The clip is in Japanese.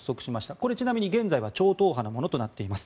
これ、ちなみに現在は超党派のものとなっています。